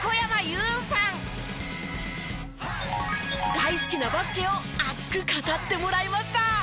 大好きなバスケを熱く語ってもらいました。